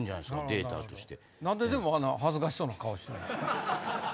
データとして。